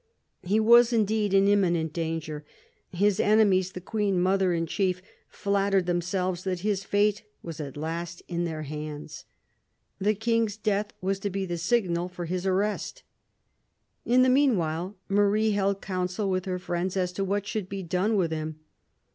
He was indeed in imminent danger. His enemies, the Queen mother in chief, flattered themselves that his fate was at last in their hands. The King's death was to be the signal for his arrest. In the meanwhile, Marie held counsel with her friends as to what should be done with him.